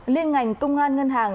liên ngành công an ngân hàng